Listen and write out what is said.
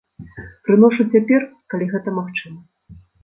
Прыношу цяпер, калі гэта магчыма.